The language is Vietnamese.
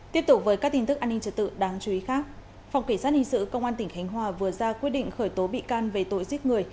tiếp tục với các tin tức an ninh trật tự đáng chú ý khác phòng kỳ sát hình sự công an tỉnh khánh hòa vừa ra quyết định khởi tố bị can về tội giết người